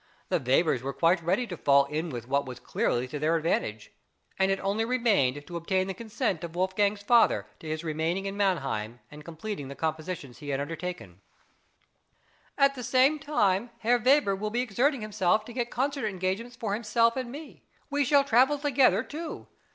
The Webers were quite ready to fall in with what was clearly to their advantage, and it only remained to obtain the consent of Wolfgang's father to his remaining in Mannheim and completing the compositions he had undertaken: At the same time Herr Weber will be exerting himself to get concert engagements for himself and me; we shall travel together, too.